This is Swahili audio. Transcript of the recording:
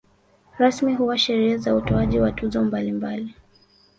Rasmi huwa sherehe za utoaji wa tuzo mbalimbali.